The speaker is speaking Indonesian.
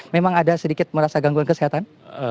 memang ada sedikit merasa gangguan kesehatan